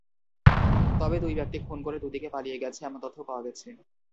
তবে দুই ব্যক্তি খুন করে দুদিকে পালিয়ে গেছে, এমন তথ্য পাওয়া গেছে।